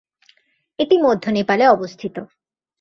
এটি মধ্য নেপালে অবস্থিত।